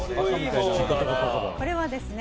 「これはですね